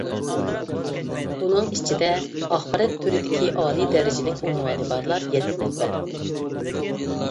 بۇنىڭ ئىچىدە، ئاخبارات تۈرىدىكى ئالىي دەرىجىلىك ئۇنۋانى بارلار يەتتە نەپەر.